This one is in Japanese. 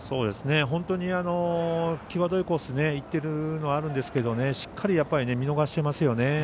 本当に際どいコースにいっているのもあるんですけどしっかり見逃していますよね。